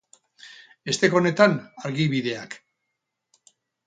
Esteka honetan, argibideak.